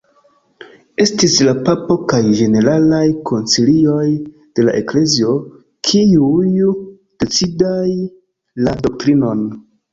Estis la papo kaj ĝeneralaj koncilioj de la eklezio kiuj decidis la doktrinon.